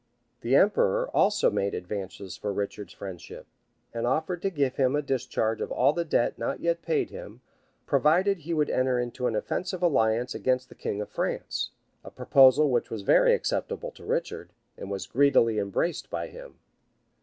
[*] {1195.} The emperor also made advances for Richard's friendship, and offered to give him a discharge of all the debt not yet paid to him, provided he would enter into an offensive alliance against the king of France; a proposal which was very acceptable to Richard, and was greedily embraced by him.